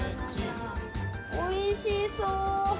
おいしそう！